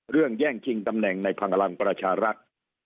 เรื่องแย่งชิงตำแหน่งในพังลังประชารัฐ